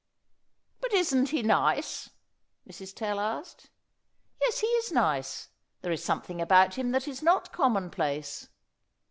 "But isn't he nice?" Mrs. Tell asked. "Yes, he is nice. There is something about him that is not commonplace."